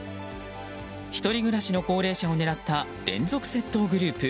１人暮らしの高齢者を狙った連続窃盗グループ。